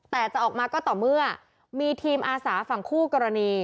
แต่จะออกมาก็ต่อเมื่อมีทีมอาสาฝั่งคู่กรณี